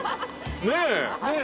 ねえ。